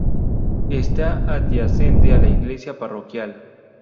Está adyacente a la iglesia parroquial.